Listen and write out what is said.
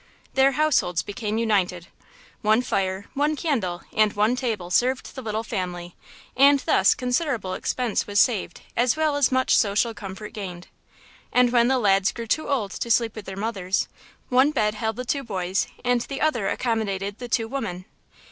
Their households became united. One fire, one candle and one table served the little family, and thus considerable expense was saved as well as much social comfort gained. And when the lads grew too old to sleep with their mothers, one bed held the two boys and the other accommodated the two women.